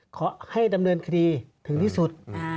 ขอให้ดำเนินคดีถึงที่สุด